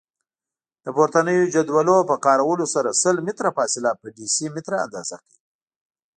له پورتنیو جدولونو په کارولو سره سل متره فاصله په ډیسي متره اندازه کړئ.